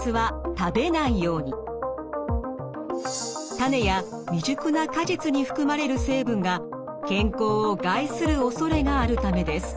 種や未熟な果実に含まれる成分が健康を害するおそれがあるためです。